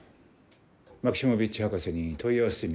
マキシモヴィッチ博士に問い合わせてみよう。